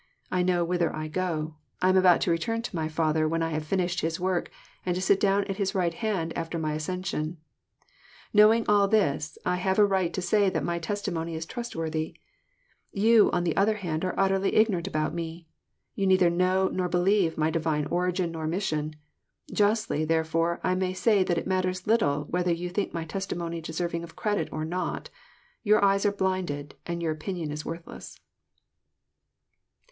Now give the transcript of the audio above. I know whither I go :— I am about to return to my Father when I have finished His work, and to sit down at His right hand after my ascension. Knowing all this, I have a right to say that my testimony is trustworthy. Tou, on the other hand, are utterly ignorant about me. You neither know nor believe my Divine origin nor mission. Justly, therefore, I may say that it matters little whether you think my testimony deserving of credit or not. Your eyes are blinded, and your opinion is worthless."